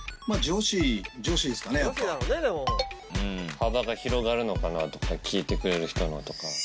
幅が広がるのかなとか聴いてくれる人のとか。